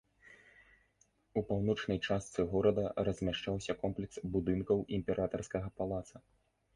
У паўночнай частцы горада размяшчаўся комплекс будынкаў імператарскага палаца.